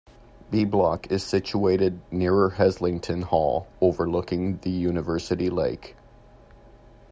B Block is situated nearer Heslington Hall overlooking the University Lake.